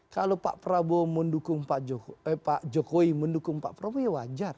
kalau pak prabowo mendukung pak jokowi pak jokowi mendukung pak prabowo ya wajar